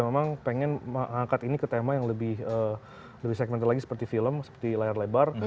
memang pengen mengangkat ini ke tema yang lebih segmented lagi seperti film seperti layar lebar